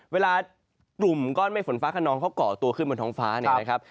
เวลากลุ่มก้อนเมฆฝนฟ้าขนองเขาก่อตัวขึ้นบนท้องฟ้าเนี่ยนะครับ